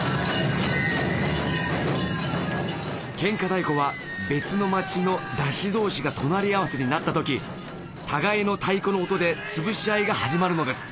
喧嘩太鼓は別の町の山車同士が隣り合わせになった時互いの太鼓の音でつぶし合いが始まるのです